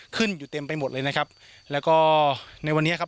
ขึ้นอยู่เต็มไปหมดเลยนะครับแล้วก็ในวันนี้ครับ